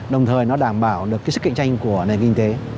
đồng thời nó đảm bảo được cái sức cạnh tranh của nền kinh tế